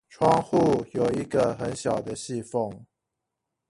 窗戶有一個很小的隙縫